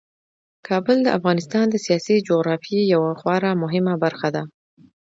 کابل د افغانستان د سیاسي جغرافیې یوه خورا مهمه برخه ده.